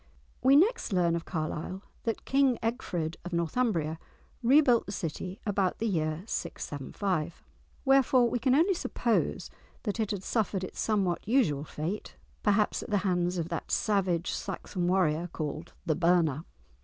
We next learn of Carlisle that King Egfrid of Northumbria rebuilt the city about the year 675, wherefore we can only suppose that it had suffered its somewhat usual fate, perhaps at the hands of that savage Saxon warrior called The Burner.